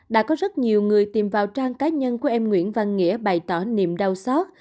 đã có rất nhiều người tìm vào trang cá nhân của em nguyễn văn nghĩa bày tỏ niềm đau xót